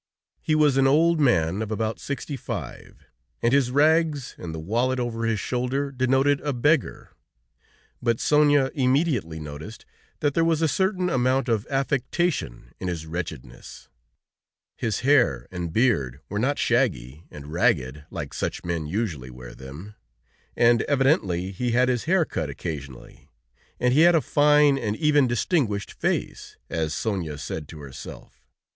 He was an old man of about sixty five, and his rags and the wallet over his shoulder denoted a beggar, but Sonia immediately noticed that there was a certain amount of affectation in his wretchedness. His hair and beard were not shaggy and ragged, like such men usually wear them, and evidently he had his hair cut occasionally, and he had a fine, and even distinguished face, as Sonia said to herself.